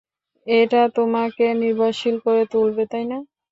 এটা তোমাকে নির্ভরশীল করে তুলবে না।